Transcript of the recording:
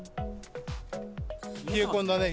冷え込んだね。